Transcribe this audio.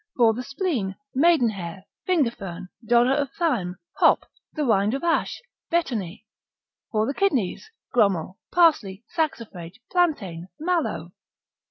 For the spleen, maidenhair, finger fern, dodder of thyme, hop, the rind of ash, betony. For the kidneys, grumel, parsley, saxifrage, plaintain, mallow.